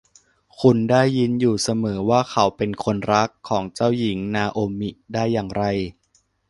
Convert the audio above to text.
คุณได้ยินอยู่เสมอว่าเขาเป็นคนรักของเจ้าหญิงนาโอมิได้อย่างไร